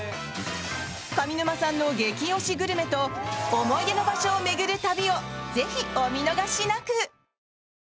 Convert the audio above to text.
上沼さんの激推しグルメと思い出の場所を巡る旅をぜひお見逃しなく。